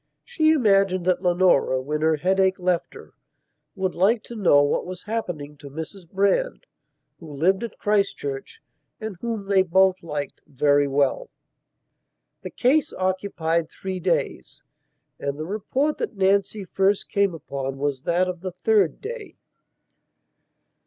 She imagined that Leonora, when her headache left her, would like to know what was happening to Mrs Brand, who lived at Christchurch, and whom they both liked very well. The case occupied three days, and the report that Nancy first came upon was that of the third day.